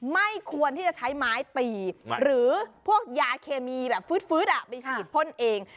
ไม่ควรที่จะใช้ไม้ตีหรือพวกยาเคมีแบบฟื๊ดไปฉีดพ่นเอง